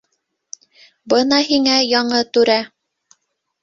Бына һиңә яңы түрә.